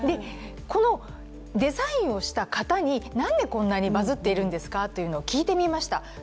このデザインをした方になんで、こんなにバズっているんですか？と聞いてみました。